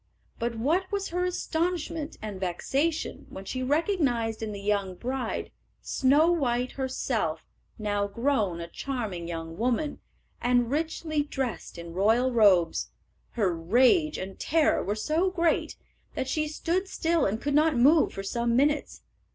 But what was her astonishment and vexation when she recognised in the young bride Snow white herself, now grown a charming young woman, and richly dressed in royal robes! Her rage and terror were so great that she stood still and could not move for some minutes.